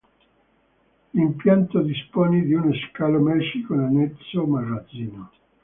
L'impianto dispone di uno scalo merci con annesso magazzino.